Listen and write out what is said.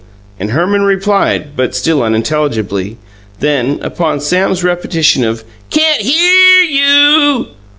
and Herman replied, but still unintelligibly; then, upon Sam's repetition of "Can't HEAR you!"